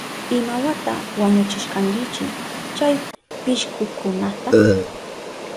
¿Imawata wañuchishkankichi chay pishkukunata?